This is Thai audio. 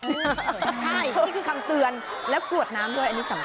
ใช่นี่คือคำเตือนแล้วกรวดน้ำด้วยอันนี้สำคัญ